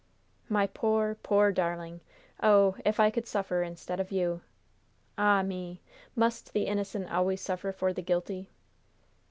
"My poor, poor darling! Oh, if I could suffer instead of you! Ah me! Must the innocent always suffer for the guilty?"